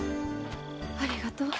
ありがとう。